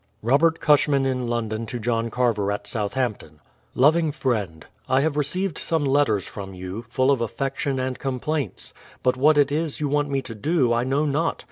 Robert Cushman in London to John Carver at Southampton: Loving Friend, I have received some letters from you, full of affection and com plaints ; but what it is you want me to do I know not.